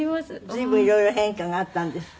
随分色々変化があったんですって？